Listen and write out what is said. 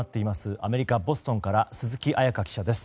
アメリカ・ボストンから鈴木彩加記者です。